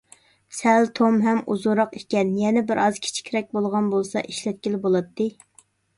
سەل توم ھەم ئۇزۇنراق ئىكەن، يەنە بىرئاز كىچىكرەك بولغان بولسا ئىشلەتكىلى بولاتتى.